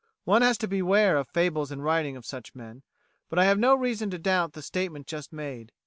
One has to beware of fables in writing of such men, but I have no reason to doubt the statement just made.